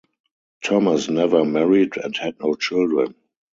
Thomas never married and had no children.